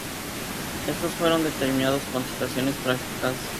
Estos fueron determinados con situaciones prácticas.